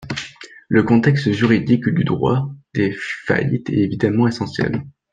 Le contexte juridique du droit des faillites est évidemment essentiel.